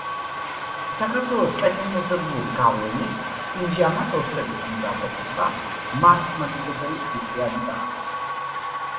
საქართველოს კეთილმეზობლური გავლენით, იმჟამად ოსების უმრავლესობა მართლმადიდებელი ქრისტიანი გახდა.